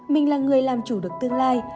mình là người làm chủ được tương lai